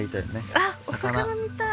あっお魚見たい。